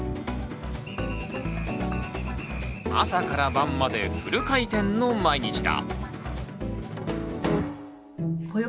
朝から晩までフル回転の毎日だ。